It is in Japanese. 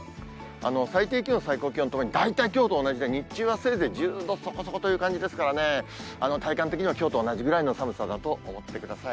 最低気温、最高気温ともに大体きょうと同じで、日中はせいぜい１０度そこそこという感じですからね、体感的にはきょうと同じぐらいの寒さだと思ってください。